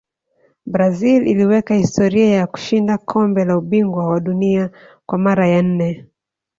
brazil iliweka historia ya kushinda kombe la ubingwa wa dunia kwa mara ya nne